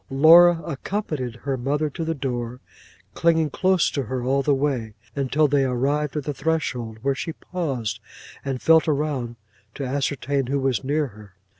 'Laura accompanied her mother to the door, clinging close to her all the way, until they arrived at the threshold, where she paused, and felt around, to ascertain who was near her.